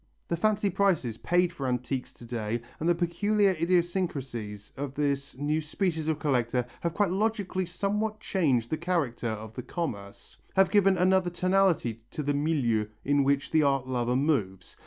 The fancy prices paid for antiques to day and the peculiar idiosyncrasies of this new species of collector have quite logically somewhat changed the character of the commerce, have given another tonality to the milieu in which the art lover moves.